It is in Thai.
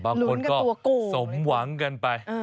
บางคนก็สมหวังกันไป